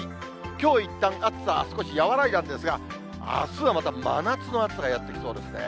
きょういったん暑さは少し和らいだんですが、あすはまた真夏の暑さがやって来そうですね。